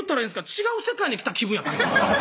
違う世界に来た気分やったんですよね